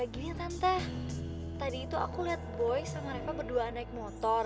tante tadi itu aku lihat boy sama reva berduaan naik motor